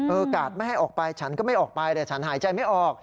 กาดไม่ให้ออกไปฉันก็ไม่ออกไปแต่ฉันหายใจไม่ออก